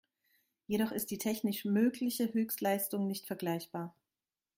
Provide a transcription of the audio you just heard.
Jedoch ist die technisch mögliche Höchstleistung nicht vergleichbar.